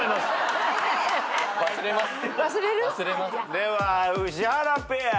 では宇治原ペア。